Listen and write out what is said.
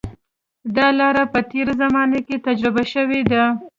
دا لاره په تېره زمانه کې تجربه شوې ده.